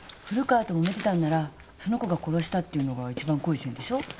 古川ともめてたんならその子が殺したっていうのが一番濃い線でしょ？